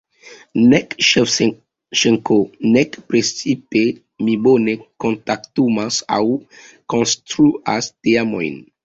Nek Ŝevĉenko nek precipe mi bone kontaktumas aŭ konstruas teamojn.